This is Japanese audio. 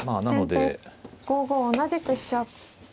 先手５五同じく飛車。